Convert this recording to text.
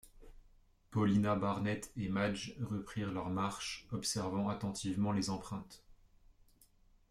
Paulina Barnett et Madge reprirent leur marche, observant attentivement les empreintes.